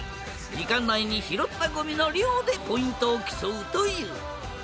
時間内に拾ったごみの量でポイントを競うという。